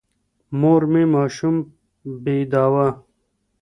مور مي ماشوم بېداوه.